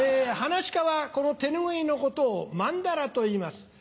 噺家はこの手拭いのことを「まんだら」といいます。